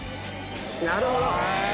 なるほど！